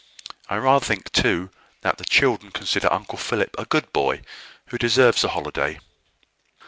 I rather think, too, that the children consider Uncle Philip a good boy, who deserves a holiday."